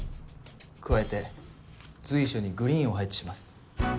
加えて随所にグリーンを配置します。